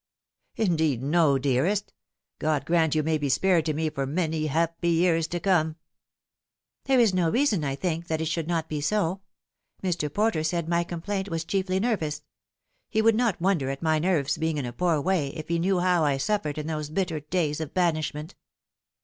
"Indeed, no, dearest I God grant you may be spared to me for Jiany happy years to come !"" There is no reason, I think, that it should not be so. Mr. Porter said my complaint was chiefly nervous. He would not wonder at my nerves being in a poor way if he knew how I suffered in those bitter days of banishment."